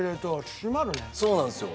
そうなんですよ。